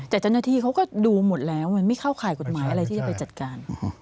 แต่เจ้าหน้าที่เขาก็ดูหมดแล้วมันไม่เข้าข่ายกฎหมายอะไรที่จะไปจัดการ